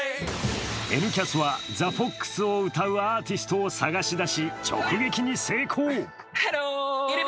「Ｎキャス」は「ＴｈｅＦｏｘ」を歌うアーティストを捜し出し、直撃に成功。